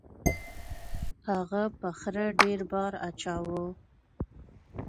هغه په خره ډیر بار اچاوه.